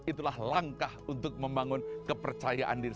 itulah langkah untuk membangun kepercayaan diri